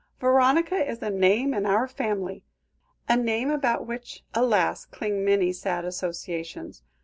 "Veronica is a name in our family; a name about which, alas! cling many sad associations.